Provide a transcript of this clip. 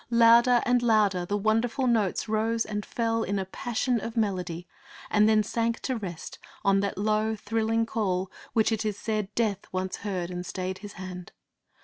Louder and louder the wonderful notes rose and fell in a passion of melody, and then sank to rest on that low thrilling call which it is said Death once heard and stayed his hand.